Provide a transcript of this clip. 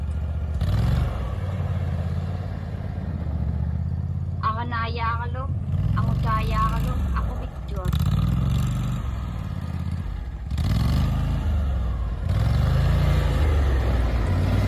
Aġnaiyaaġlu aŋutaiyaaġlu aquvittuak.